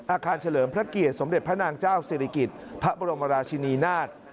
เฉลิมพระเกียรติสมเด็จพระนางเจ้าศิริกิจพระบรมราชินีนาฏ